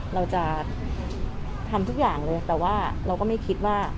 เราจะทำทุกอย่างเลยแต่ว่าเราก็ไม่คิดว่า